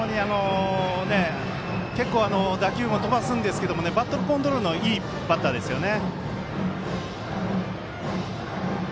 結構打球も飛ばすんですがバットコントロールのいいバッターですね。